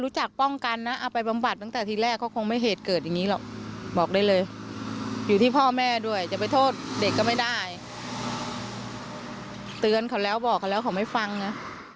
จะไปโทษเด็กก็ไม่ได้เตือนเขาแล้วบอกเขาแล้วเขาไม่ฟังนะ